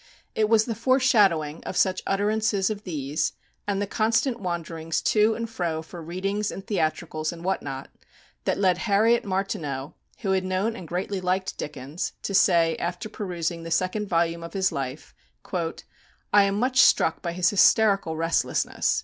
It was the foreshadowing of such utterances as these, and the constant wanderings to and fro for readings and theatricals and what not, that led Harriet Martineau, who had known and greatly liked Dickens, to say after perusing the second volume of his life, "I am much struck by his hysterical restlessness.